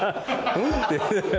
うん？って。